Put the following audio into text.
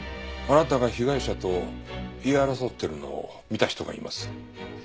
あなたが被害者と言い争ってるのを見た人がいます。